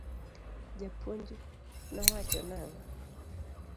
Japuonj no wacho nang'o?